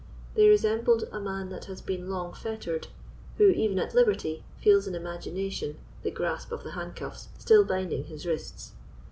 They resembled a man that has been long fettered, who, even at liberty, feels in imagination the grasp of the handcuffs still binding his wrists.